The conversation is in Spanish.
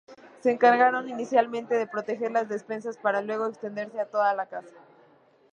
Se encargaron, inicialmente, de proteger las despensas, para luego extenderse a toda la casa.